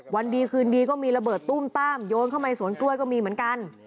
วันดีคืนดีก็มีระเบิดตุ้มต้ามโยนเข้ามาในสวนกล้วยก็มีเหมือนกัน